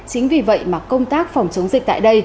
chính vì vậy mà công tác phòng chống dịch tại đây